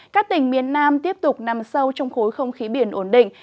các tỉnh miền nam tiếp tục nằm sâu trong khối không khí biển ổn định